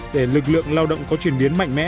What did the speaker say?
để lực lượng lao động có chuyển biến mạnh mẽ